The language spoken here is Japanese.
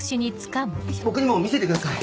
僕にも見せてください。